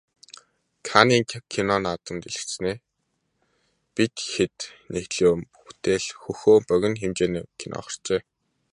Каннын кино наадмын дэлгэцнээ "Бид хэд" нэгдлийн бүтээл "Хөхөө" богино хэмжээний кино гарчээ.